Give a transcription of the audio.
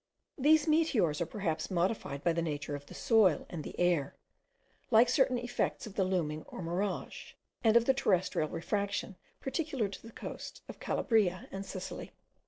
These meteors are perhaps modified by the nature of the soil and the air, like certain effects of the looming or mirage, and of the terrestrial refraction peculiar to the coasts of Calabria and Sicily.